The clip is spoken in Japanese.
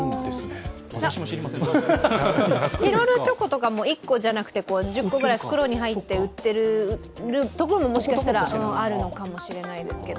チロルチョコとかも１個じゃなくて１０個とかで袋に入って売っているところももしかしたら、あるのかもしれないですけど。